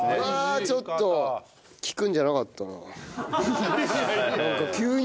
ああちょっと聞くんじゃなかったな。